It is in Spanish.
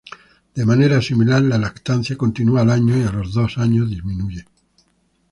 De manera similar, la lactancia continua al año y a los dos años disminuyó.